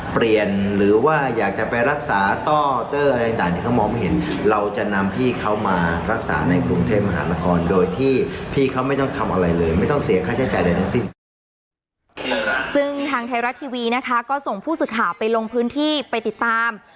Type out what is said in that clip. ซึ่งทางไทยรัฐทีวีนะคะก็ส่งผู้สื่อข่าวไปลงพื้นที่ไปติดตาม